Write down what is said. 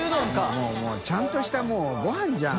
發ちゃんとしたもうご飯じゃん。